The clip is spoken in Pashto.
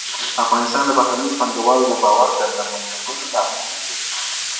افغانستان د بهرنیو پانګوالو د باور د له منځه وړلو لامل نه ګرځي.